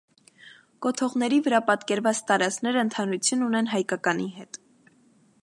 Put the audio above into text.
Կոթողների վրա պատկերված տարազները ընդհանրություն ունեն հայկականի հետ։